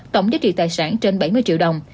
tổng giá trị tài sản trên bảy mươi triệu đồng